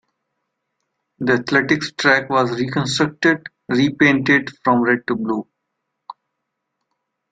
The athletics track was reconstructed, repainted from red to blue.